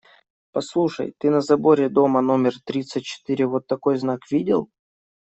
Послушай: ты на заборе дома номер тридцать четыре вот такой знак видел?